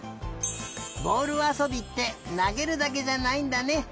ぼおるあそびってなげるだけじゃないんだね。